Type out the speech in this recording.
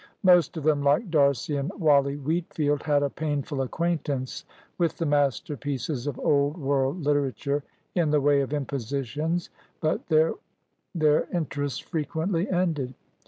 Most of them, like D'Arcy and Wally Wheatfield, had a painful acquaintance with the masterpieces of old world literature in the way of impositions, but there their interest frequently ended.